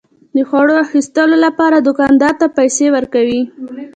د خوړو اخیستلو لپاره دوکاندار ته پيسى ورکوي.